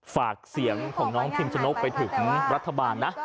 ฝากเสียงของน้องพิมชนกไปถึงรัฐบาลนะ